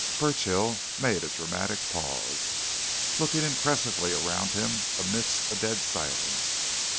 Burchill made a dramatic pause, looking impressively around him amidst a dead silence.